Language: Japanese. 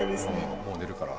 うんもう寝るから。